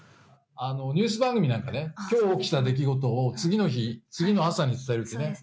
ニュース番組なんかねきょう起きた出来事を次の日、次の朝に伝えるってね。